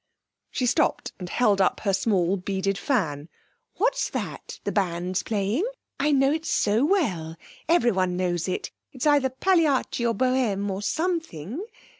She stopped and held up her small beaded fan, 'what's that the band's playing? I know it so well; everyone knows it; it's either Pagliacci or Bohème, or _some_thing.